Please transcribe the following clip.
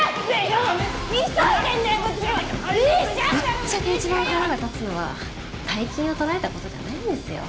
「ぶっちゃけ一番腹が立つのは大金を取られた事じゃないんですよ」